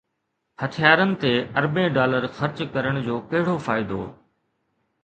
هٿيارن تي اربين ڊالر خرچ ڪرڻ جو ڪهڙو فائدو؟